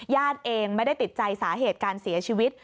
เองไม่ได้ติดใจสาเหตุการเสียชีวิต